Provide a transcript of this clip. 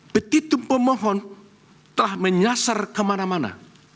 begitu pemohon telah menyasar kemana mana